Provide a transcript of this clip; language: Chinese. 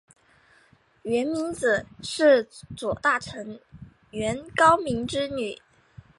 源明子是左大臣源高明之女。